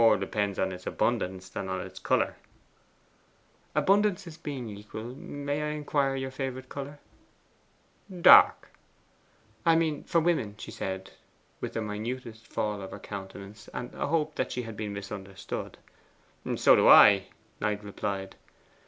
'More depends on its abundance than on its colour.' 'Abundances being equal, may I inquire your favourite colour?' 'Dark.' 'I mean for women,' she said, with the minutest fall of countenance, and a hope that she had been misunderstood. 'So do I,' Knight replied.